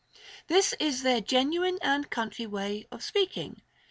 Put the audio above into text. This is their genuine and country way of speaking.